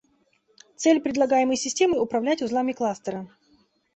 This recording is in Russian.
Цель предлагаемой системы – управлять узлами кластера